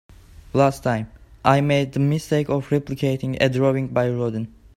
Last time, I made the mistake of replicating a drawing by Rodin.